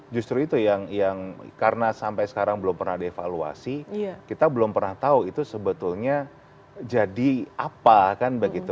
justru itu yang karena sampai sekarang belum pernah dievaluasi kita belum pernah tahu itu sebetulnya jadi apa kan begitu